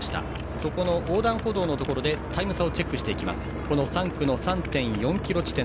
その横断歩道のところでタイム差をチェックします。